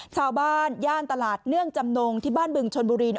ย่านตลาดเนื่องจำนงที่บ้านบึงชนบุรี